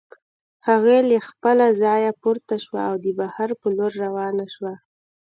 هغې له خپله ځايه پورته شوه او د بهر په لور روانه شوه.